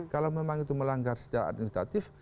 kalau memang itu melanggar secara administratif